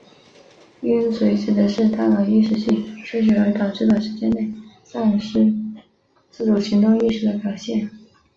晕厥指的是大脑一时性缺血而导致短时间内丧失自主行动意识的表现。